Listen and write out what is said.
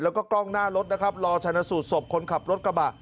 แล้วก็กล้องหน้ารถนะครับรอชนะสูตรศพคนขับรถกระบะ